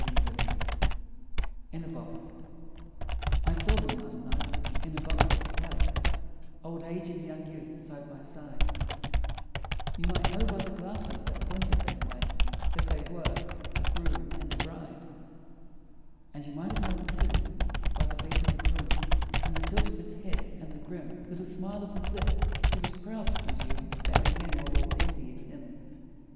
In a Box I saw them last night in a box at the play Old age and young youth side by side You might know by the glasses that pointed that way That they were a groom and a bride; And you might have known, too, by the face of the groom, And the tilt of his head, and the grim Little smile of his lip, he was proud to presume That we men were all envying him.